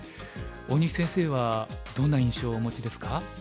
大西先生はどんな印象をお持ちですか？